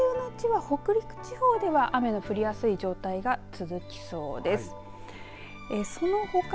ただ午前中のうちは北陸地方では雨の降りやすい状態が続きそうです。